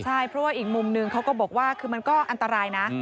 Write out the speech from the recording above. ใช่อีกมุมหนึนเขาก็บอกว่ามันก็อันตรายนะ